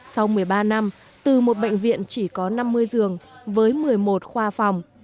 sau một mươi ba năm từ một bệnh viện chỉ có năm mươi giường với một mươi một khoa phòng